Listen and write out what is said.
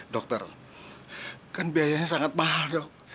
dokter kan biayanya sangat mahal dok